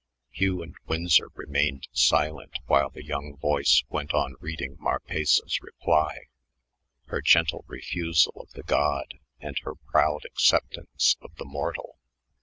'" Hugh and Winsor remained silent while the young voice went on reading Maressa's reply, her gentle refusal of the god and her proud acceptance, of the mortal.